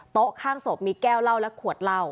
โต๊ะข้างศพมีแก้วเล่าและขวดเล่า